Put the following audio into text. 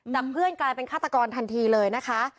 เพื่อนกลายเป็นฆาตกรทันทีเลยนะคะ